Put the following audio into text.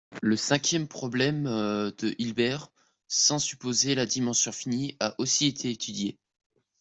Le cinquième problème de Hilbert sans supposer la dimension finie a aussi été étudié.